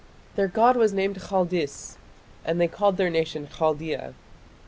Their god was named Khaldis, and they called their nation Khaldia.